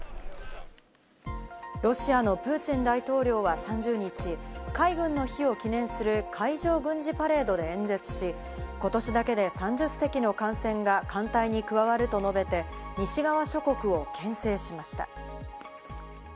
ロシアのプーチン大統領は３０日、海軍の日を記念する海上軍事パレードで演説し、今年だけで３０隻の艦船が艦隊に加わると述べて、西側諸国をけん制しました。